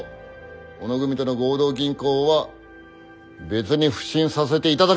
小野組との合同銀行は別に普請させていただきたい。